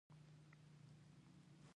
د تغذیې توازن د صحت ضمانت دی.